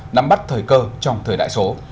nắm bắt thời cơ trong thời đại số